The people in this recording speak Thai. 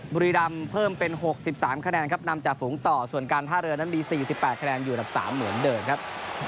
บุรีรำเพิ่มเป็น๖๓คะแนนครับนำจากฝูงต่อส่วนการท่าเรือนั้นมี๔๘คะแนนอยู่อันดับ๓เหมือนเดิมครับ